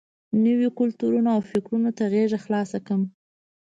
نویو کلتورونو او فکرونو ته غېږه خلاصه کړم.